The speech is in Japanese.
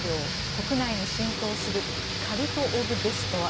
国内に浸透するカルト・オブ・デスとは？